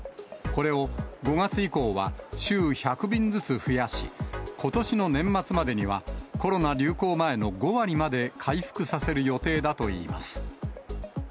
これを５月以降は週１００便ずつ増やし、ことしの年末までにはコロナ流行前の５割まで回復させる予定だといいます。